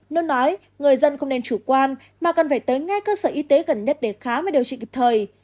luôn nói người dân không nên chủ quan mà cần phải tới ngay cơ sở y tế gần nhất để khám và điều trị kịp thời